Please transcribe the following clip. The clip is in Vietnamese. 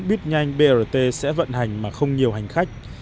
biết nhanh btrt sẽ vận hành mà không nhiều hành khách